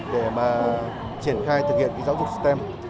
để mà triển khai thực hiện giáo dục stem